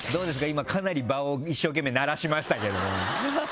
今、かなり場を一生懸命ならしましたけれども。